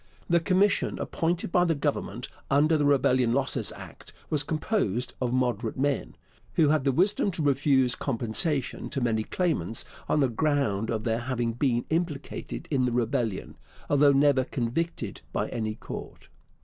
The commission appointed by the Government under the Rebellion Losses Act was composed of moderate men, who had the wisdom to refuse compensation to many claimants on the ground of their having been implicated in the rebellion, although never convicted by any court.